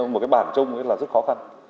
một cái bảng trung là rất khó khăn